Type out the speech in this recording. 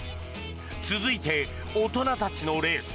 続いて大人たちのレース。